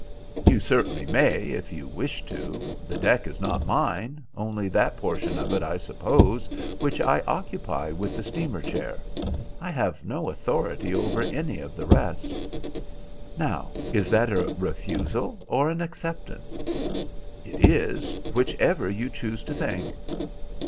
"You certainly may, if you wish to. The deck is not mine, only that portion of it, I suppose, which I occupy with the steamer chair. I have no authority over any of the rest." "Now, is that a refusal or an acceptance?" "It is which ever you choose to think."